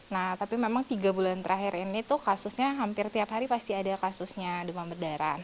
nah tapi memang tiga bulan terakhir ini tuh kasusnya hampir tiap hari pasti ada kasusnya demam berdarah